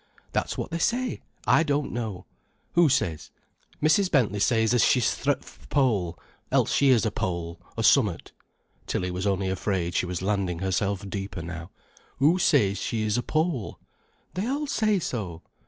"That's what they say—I don't know——" "Who says?" "Mrs. Bentley says as she's fra th' Pole—else she is a Pole, or summat." Tilly was only afraid she was landing herself deeper now. "Who says she's a Pole?" "They all say so."